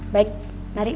baik mari pak